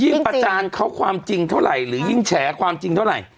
ประจานเขาความจริงเท่าไหร่หรือยิ่งแฉความจริงเท่าไหร่